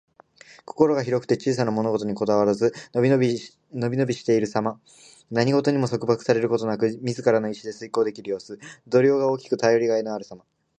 心が広くて小さな物事にこだわらず、のびのびしているさま。何事にも束縛されることなく、自らの意志を遂行できる様子。度量が大きく、頼りがいのあるさま。